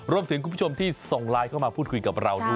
คุณผู้ชมที่ส่งไลน์เข้ามาพูดคุยกับเราด้วย